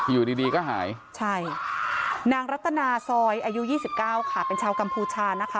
อยู่ดีก็หายใช่นางรัตนาซอยอายุ๒๙ค่ะเป็นชาวกัมพูชานะคะ